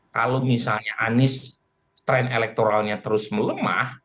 kalau misalnya anies tren elektoralnya terus melemah